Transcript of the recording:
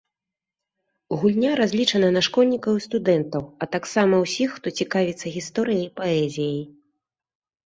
Гульня разлічана на школьнікаў і студэнтаў, а таксама ўсіх, хто цікавіцца гісторыяй і паэзіяй.